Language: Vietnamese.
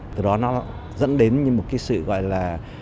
từ đó nó dẫn đến một cái sự gọi là